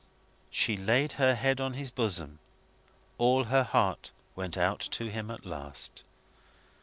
She laid her head on his bosom. All her heart went out to him at last.